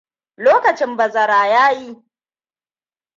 Lokacin bazara ya yi.